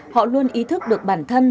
họ luôn ý thức được bản thân